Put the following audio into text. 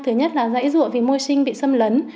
thứ nhất là dãy rụa vì môi sinh bị xâm lấn